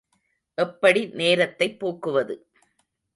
எப்படி நேரத்தைப் போக்குவது?